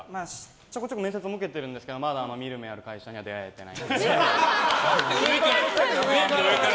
ちょこちょこ面接も受けてるんですけどまだ見る目がある会社には出会えてないですね。